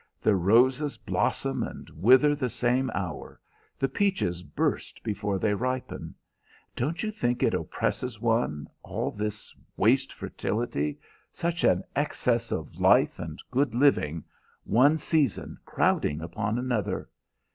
The roses blossom and wither the same hour. The peaches burst before they ripen. Don't you think it oppresses one, all this waste fertility, such an excess of life and good living, one season crowding upon another?